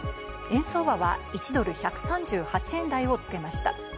円相場は１ドル＝１３８円台をつけました。